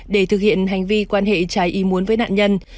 để thực hiện hành vi quan hệ trái ý muốn với nạn nhân